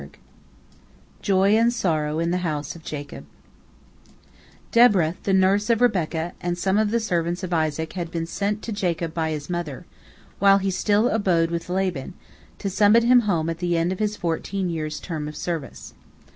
JOY AND SORROW IN THE HOUSE OF JACOB Deborah, the nurse of Rebekah, and some of the servants of Isaac had been sent to Jacob by his mother, while he still abode with Laban, to summon him home at the end of his fourteen years' term of service.